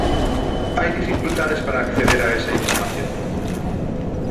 Hai dificultades para acceder a esa información?